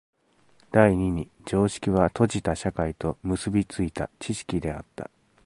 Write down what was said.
第二に常識は閉じた社会と結び付いた知識であった。